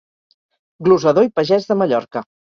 Glosador i pagès de Mallorca.